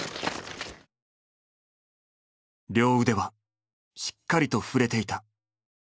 両腕はしっかりと振れていた。